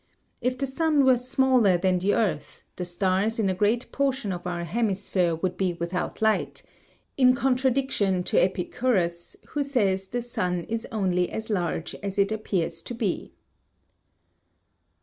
If the sun were smaller than the earth, the stars in a great portion of our hemisphere would be without light in contradiction to Epicurus, who says the sun is only as large as it appears to be.